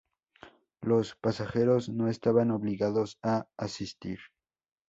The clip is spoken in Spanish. Los pasajeros no estaban obligados a asistir.